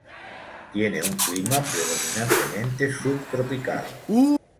Tiene un clima predominantemente sub tropical.